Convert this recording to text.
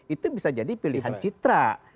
itu bisa jadi pilihan citra